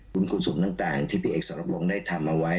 บุญคุณสุขต่างที่พี่เอกสรับลงได้ทำมาไว้